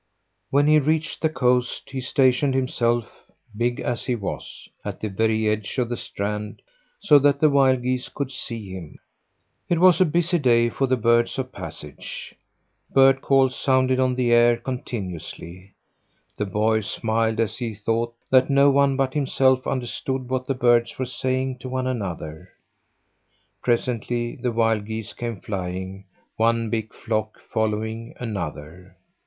When he reached the coast he stationed himself, big as he was, at the very edge of the strand, so that the wild geese could see him. It was a busy day for the birds of passage. Bird calls sounded on the air continuously. The boy smiled as he thought that no one but himself understood what the birds were saying to one another. Presently wild geese came flying; one big flock following another.